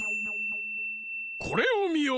これをみよ！